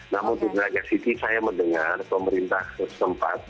namun di naga city saya mendengar pemerintah sempat